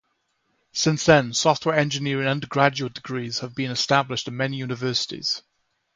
Since then, software engineering undergraduate degrees have been established at many universities.